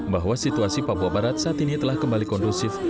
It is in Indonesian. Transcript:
bahwa situasi papua barat saat ini telah kembali kondusif